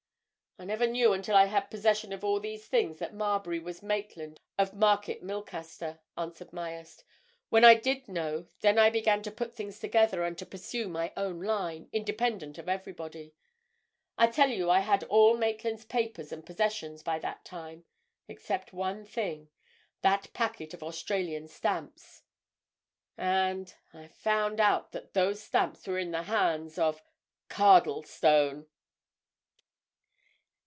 "I never knew until I had possession of all these things that Marbury was Maitland of Market Milcaster," answered Myerst. "When I did know then I began to put things together and to pursue my own line, independent of everybody. I tell you I had all Maitland's papers and possessions, by that time—except one thing. That packet of Australian stamps. And—I found out that those stamps were in the hands of—Cardlestone!"